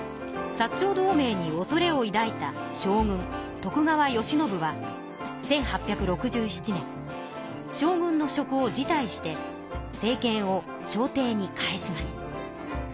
薩長同盟におそれをいだいた将軍徳川慶喜は１８６７年将軍の職を辞退して政権を朝廷に返します。